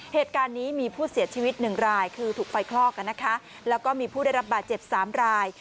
เหตุการณ์นี้มีผู้เสียชีวิตหนึ่งรายคือถูกไฟคลอกแล้วก็มีผู้ได้รับบาดเจ็บ๓ราย